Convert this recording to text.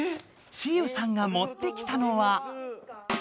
ちゆさんが持ってきたのは。